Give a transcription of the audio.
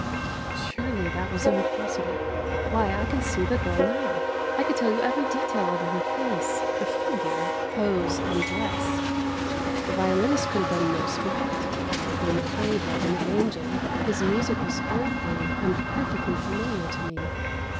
Surely that was impossible. Why, I can see the girl now; I could tell you every detail of her face, her figure, pose, and dress. The violinist could have been no spirit; though he played like an angel, his music was earthly, and perfectly familiar to me.